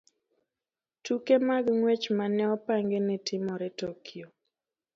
Tuke mag ng'wech ma ne opangi ni timore Tokyo.